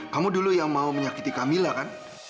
kamu dulu yang mau menyakiti kamila kan